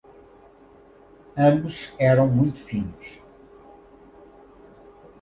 Ambos eram muito finos.